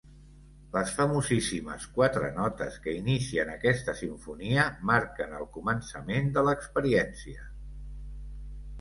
Les famosíssimes quatre notes que inicien aquesta simfonia marquen el començament de l’experiència.